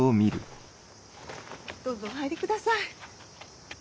どうぞお入りください。